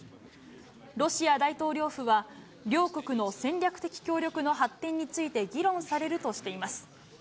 ロシア大統領府は、両国の戦略的協力の発展について議論されるとしています。